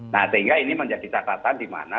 nah sehingga ini menjadi catatan dimana